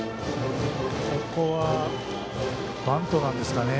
ここはバントなんですかね。